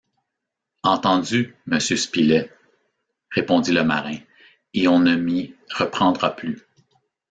Entendu, monsieur Spilett, répondit le marin, et on ne m’y reprendra plus!